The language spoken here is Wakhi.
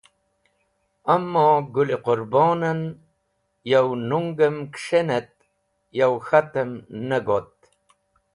Amo, Gũl-e Qũrbonen yow nungem kẽs̃hen et yow k̃hatem ne got.